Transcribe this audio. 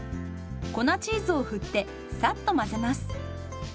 粉チーズを振ってサッと混ぜます。